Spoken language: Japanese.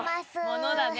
ものだね。